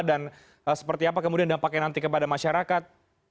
dan seperti apa kemudian dampaknya nanti kepada masyarakat